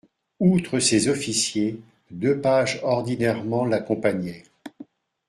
Outre ses officiers, deux pages ordinairement l'accompagnaient.